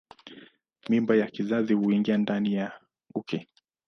Mimba ya kizazi huingia ndani ya uke.